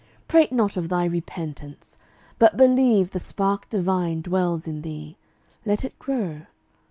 Prate not of thy repentance. But believe The spark divine dwells in thee: let it grow.